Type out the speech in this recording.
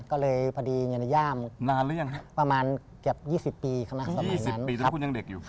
ก็เลยเหนียณหย่ามประมาณเกือบ๒๐ปีครับนะสมัยนั้นอย่างเด็กอยู่นะครับ